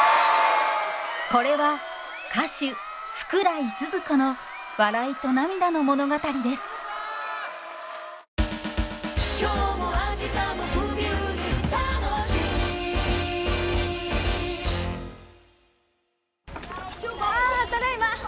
これは歌手福来スズ子の笑いと涙の物語ですあただいま。